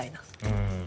うん。